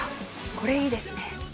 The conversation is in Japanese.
これ、いいですね。